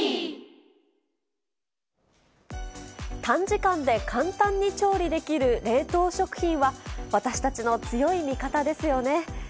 短時間で簡単に調理できる冷凍食品は、私たちの強い味方ですよね。